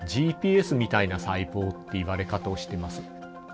ＧＰＳみたいな細胞って言われ方をしています。